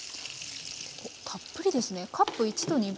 たっぷりですね。